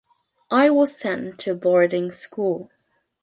I was sent to a boarding school.